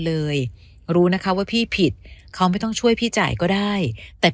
เลยรู้นะคะว่าพี่ผิดเขาไม่ต้องช่วยพี่จ่ายก็ได้แต่